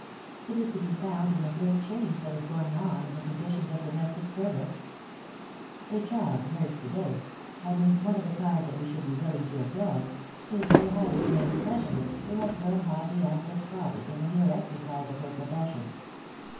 It is to be found in the great change that is going on in the conditions of domestic service. A child's nurse to day I mean one of the kind that we should be willing to employ is a highly trained specialist who has grown haughty and despotic in the mere exercise of her profession.